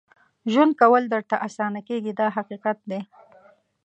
ژوند کول درته اسانه کېږي دا حقیقت دی.